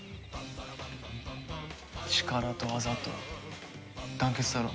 力と技と団結だろ？